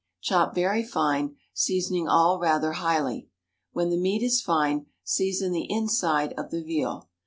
Chop very fine, seasoning all rather highly. When the meat is fine, season the inside of the veal.